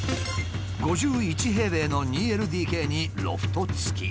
５１平米の２ＬＤＫにロフト付。